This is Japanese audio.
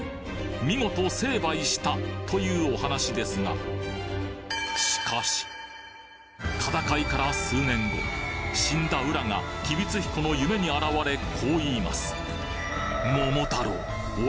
見事成敗したというお話ですが戦いから数年後死んだ温羅が吉備津彦の夢に現れこう言います